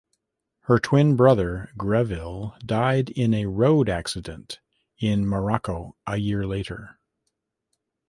Her twin brother, Greville, died in a road accident in Morocco a year later.